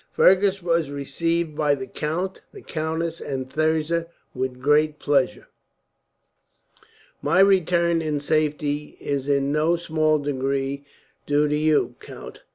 [Illustration: Fergus was received by the count, the countess and Thirza with great pleasure] "My return in safety is in no small degree due to you, count.